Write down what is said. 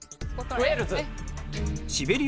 ウェールズ。